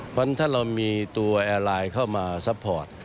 เพราะฉะนั้นถ้าเรามีตัวแอร์ไลน์เข้ามาซัพพอร์ต